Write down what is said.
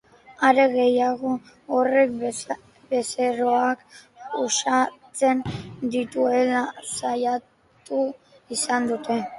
Are gehiago, horrek bezeroak uxatzen dituela salatu izan dute.